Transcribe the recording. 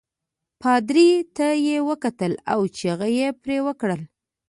پادري ته یې وکتل او چغه يې پرې وکړل.